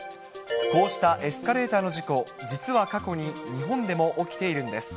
こうしたエスカレーターの事故、実は過去に日本でも起きているんです。